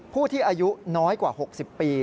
ผู้ที่อายุน้อยกว่า๖๐ปี